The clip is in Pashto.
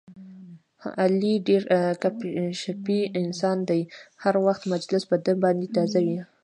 علي ډېر ګپ شپي انسان دی، هر وخت مجلس په ده باندې تازه وي.